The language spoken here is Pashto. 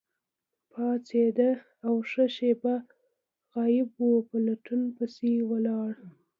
پاڅید او ښه شیبه غایب وو، په لټون پسې ولاړ.